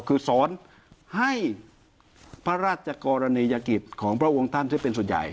คือสอนให้พระราชกรณียกิจของพระองค์ท่านที่เป็นส่วนใหญ่